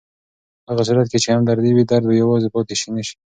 په هغه صورت کې چې همدردي وي، درد به یوازې پاتې نه شي.